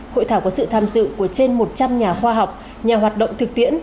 hội thảo có sự tham dự của trên một trăm linh nhà khoa học nhà hoạt động thực tiễn